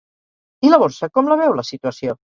I la borsa, com la veu, la situació?